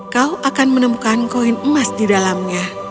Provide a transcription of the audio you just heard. kau akan menemukan koin emas di dalamnya